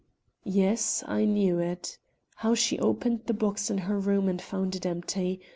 Yes, I knew it. How she opened the box in her room and found it empty.